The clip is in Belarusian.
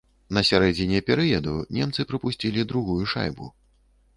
На сярэдзіне перыяду немцы прапусцілі другую шайбу.